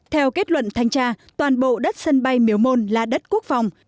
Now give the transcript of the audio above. theo kết luận thanh tra toàn bộ đất sân bay miếu môn là đất quốc phòng